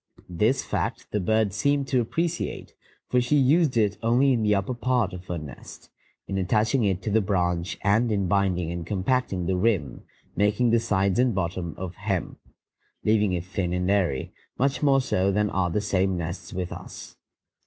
This fact the bird seemed to appreciate, for she used it only in the upper part of her nest, in attaching it to the branch and in binding and compacting the rim, making the sides and bottom of hemp, leaving it thin and airy, much more so than are the same nests with us.